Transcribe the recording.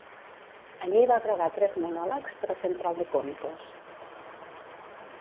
Allí va gravar tres monòlegs per a Central de Cómicos.